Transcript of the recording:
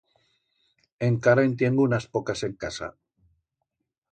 Encara en tiengo unas pocas en casa.